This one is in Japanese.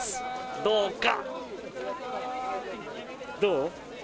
どうか？